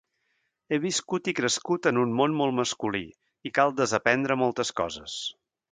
He viscut i crescut en un món molt masculí i cal desaprendre moltes coses.